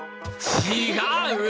違う！